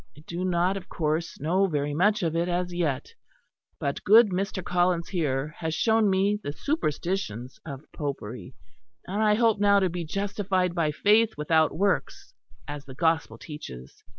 I do not, of course, know very much of it as yet; but good Mr. Collins here has shown me the superstitions of Popery; and I hope now to be justified by faith without works as the gospel teaches.